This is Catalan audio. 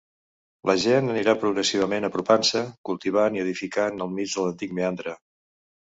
La gent anirà progressivament apropant-se, cultivant i edificant al mig de l’antic meandre.